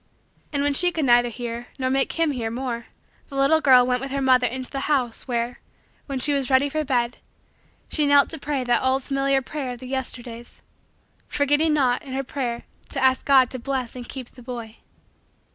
And, when she could neither hear nor make him hear more, the little girl went with her mother into the house, where, when she was ready for bed, she knelt to pray that old familiar prayer of the Yesterdays forgetting not in her prayer to ask God to bless and keep the boy.